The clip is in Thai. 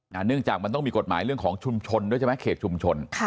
เนื่องจากมันต้องมีกฎหมายเรื่องของชุมชนด้วยใช่ไหมเขตชุมชน